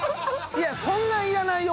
いやそんないらないよ